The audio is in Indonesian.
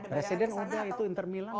presiden udah itu inter milan